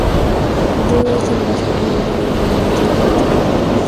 Sin duda es el más popular de los gobernadores de los Países Bajos Austriacos.